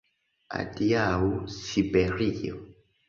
Adiaŭ, Siberio!”